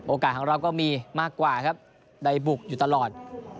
ของเราก็มีมากกว่าครับได้บุกอยู่ตลอด